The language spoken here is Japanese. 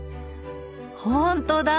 ほんとだ！